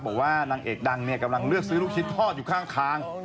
บอกว่านางเอกดังเนี่ยกำลังเลือกซื้อลูกชิ้นทอดอยู่ข้างทาง